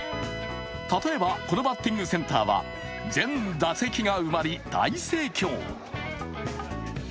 例えば、このバッティングセンターは全打席が埋まり、大盛況。